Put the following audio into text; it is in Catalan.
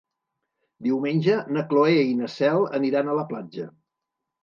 Diumenge na Cloè i na Cel aniran a la platja.